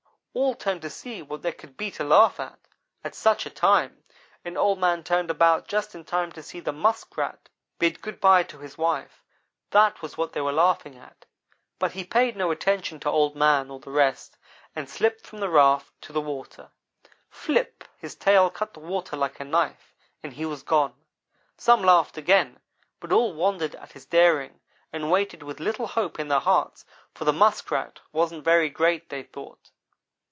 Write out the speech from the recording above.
"All turned to see what there could be to laugh at, at such a time, and Old man turned about just in time to see the Muskrat bid good by to his wife that was what they were laughing at. But he paid no attention to Old man or the rest, and slipped from the raft to the water. Flip! his tail cut the water like a knife, and he was gone. Some laughed again, but all wondered at his daring, and waited with little hope in their hearts; for the Muskrat wasn't very great, they thought.